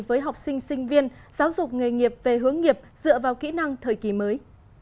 với học sinh sinh viên giáo dục nghề nghiệp về hướng nghiệp dựa vào kỹ năng thời kỳ mới